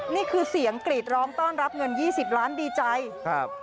นี่คือเสียงกรีดร้องต้อนรับเงินยี่สิบล้านดีใจครับ